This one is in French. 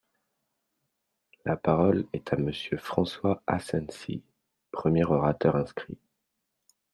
La parole est à Monsieur François Asensi, premier orateur inscrit.